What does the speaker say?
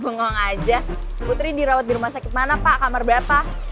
hongong aja putri dirawat di rumah sakit mana pak kamar berapa